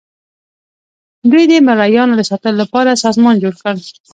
دوی د مرئیانو د ساتلو لپاره سازمان جوړ کړ.